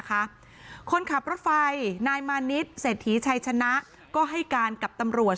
คนขับรถไฟนายมานิดเศรษฐีชัยชนะก็ให้การกับตำรวจ